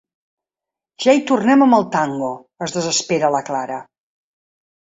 Ja hi tornem, amb el tango! —es desespera la Clara.